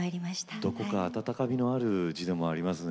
どこか温かみのある字でもありますね。